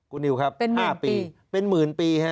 คุณนิวครับ๕ปีเป็นหมื่นปีค่ะเป็นหมื่นปี